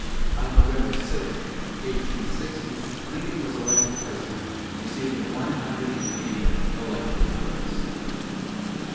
On November 6, 1860, Lincoln was elected President, receiving one hundred and eighty electoral votes.